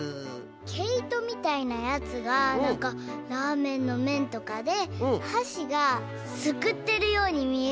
けいとみたいなやつがなんかラーメンのめんとかではしがすくってるようにみえる。